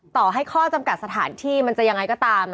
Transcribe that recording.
ต่อให้ข้อจำกัดสถานที่มันจะยังไงก็ตาม